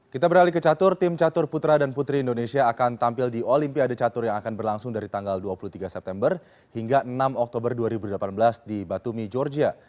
kita beralih ke catur tim catur putra dan putri indonesia akan tampil di olimpiade catur yang akan berlangsung dari tanggal dua puluh tiga september hingga enam oktober dua ribu delapan belas di batumi georgia